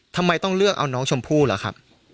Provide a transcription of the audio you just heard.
ทำไมต้องเลือกเอาน้องชมพู่ล่ะครับ